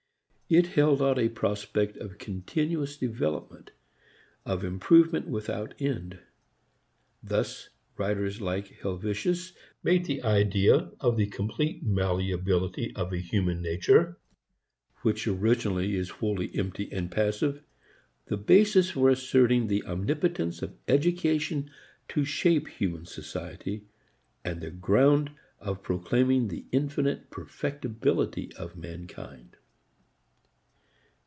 It held out a prospect of continuous development, of improvement without end. Thus writers like Helvetius made the idea of the complete malleability of a human nature which originally is wholly empty and passive, the basis for asserting the omnipotence of education to shape human society, and the ground of proclaiming the infinite perfectibility of mankind.